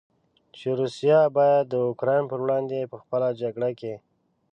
چې روسیه باید د اوکراین پر وړاندې په خپله جګړه کې.